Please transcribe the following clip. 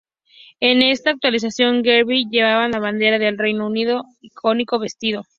Es en esta actuación, Geri llevaban la bandera del Reino Unido icónico vestido.